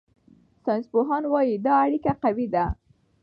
ساینسپوهان وايي دا اړیکه قوي ده.